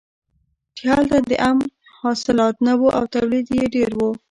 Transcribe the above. چې هلته د عم حاصلات نه وو او تولید یې ډېر و.